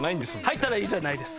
入ったらいいじゃないです。